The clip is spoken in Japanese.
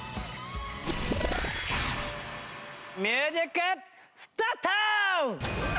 ミュージックスタート！